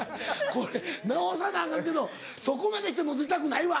これ直さなアカンけどそこまでしてモテたくないわ。